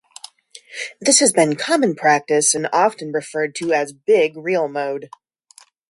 This has been common practice and often referred to as "big" real mode.